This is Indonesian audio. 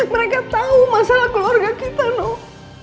mereka tahu masalah keluarga kita loh